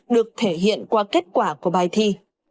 được thể hiện qua kết quả của bài thi